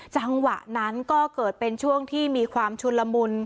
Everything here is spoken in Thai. จังหวะนั้นก็เกิดเป็นช่วงที่มีความชุนละมุน